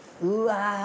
うわ！